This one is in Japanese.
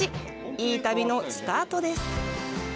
いい旅のスタートです。